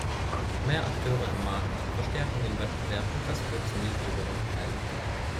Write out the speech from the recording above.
Mehr Akteure im Markt verstärken den Wettbewerb, und das führt zu niedrigeren Preisen.